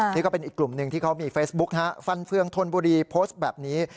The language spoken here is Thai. นี่ก็เป็นอีกกลุ่มหนึ่งที่เขามีเฟซบุ๊กฮะฟันเฟืองธนบุรีโพสต์แบบนี้